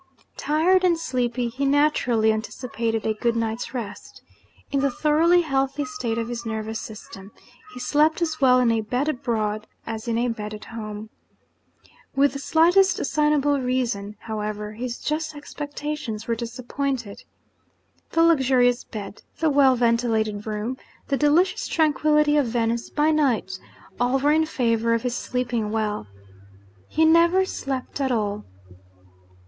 Tired and sleepy, he naturally anticipated a good night's rest. In the thoroughly healthy state of his nervous system, he slept as well in a bed abroad as in a bed at home. Without the slightest assignable reason, however, his just expectations were disappointed. The luxurious bed, the well ventilated room, the delicious tranquillity of Venice by night, all were in favour of his sleeping well. He never slept at all.